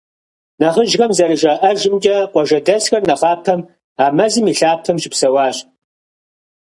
Нэхъыжьхэм зэрыжаӏэжымкӏэ, къуажэдэсхэр нэхъапэм а мэзым и лъапэм щыпсэуащ.